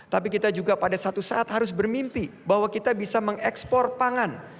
tapi kita juga pada satu saat harus bermimpi bahwa kita bisa mengekspor pangan